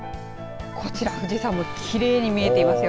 こちら富士山もきれいに見えていますよ。